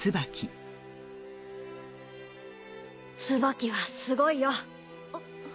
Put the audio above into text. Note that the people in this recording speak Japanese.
ツバキはすごいよ。